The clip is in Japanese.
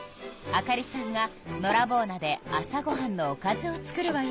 あかりさんがのらぼう菜で朝ごはんのおかずを作るわよ。